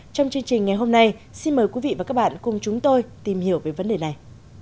trong chương trình ngày hôm nay xin mời quý vị và các bạn cùng chúng tôi tìm hiểu về vấn đề này